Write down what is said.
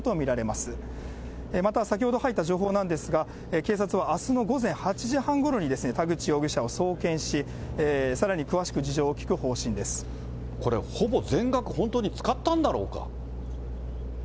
また先ほど入った情報なんですが、警察はあすの午前８時半ごろに田口容疑者を送検し、これ、ほぼ全額本当に使ったんだろうか。